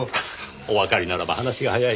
おわかりならば話が早い。